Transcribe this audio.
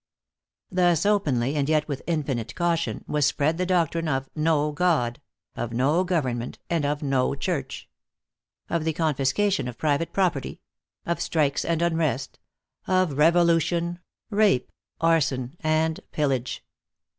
Thus, openly, and yet with infinite caution, was spread the doctrine of no God; of no government, and of no church; of the confiscation of private property; of strikes and unrest; of revolution, rape, arson and pillage.